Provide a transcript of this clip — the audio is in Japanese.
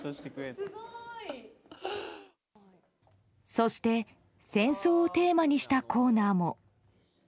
そして、戦争をテーマにしたコーナーも。